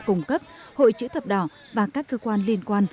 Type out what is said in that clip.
cung cấp hội chữ thập đỏ và các cơ quan liên quan